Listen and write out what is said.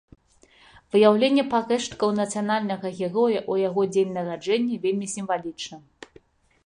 Выяўленне парэшткаў нацыянальнага героя ў яго дзень нараджэння вельмі сімвалічна.